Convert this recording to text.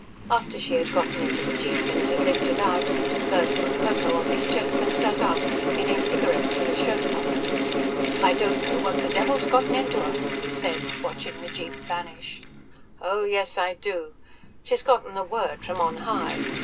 After she had gotten into the jeep and it had lifted out, Gerd put Ko Ko off his chest and sat up, getting cigarettes from his shirt pocket. "I don't know what the devil's gotten into her," he said, watching the jeep vanish. "Oh, yes, I do. She's gotten the Word from On High.